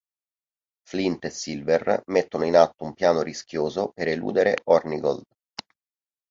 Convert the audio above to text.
Flint e Silver mettono in atto un piano rischioso per eludere Hornigold.